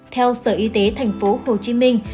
theo sở y tế thành phố hồ chí minh